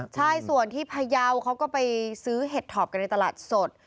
ใช่ส่วนที่พยาวเขาก็ไปซื้อเห็ดถอบกันในตลาดสด